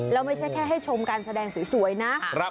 แล้วไม่ใช่แค่ให้ชมการแสดงสวยนะ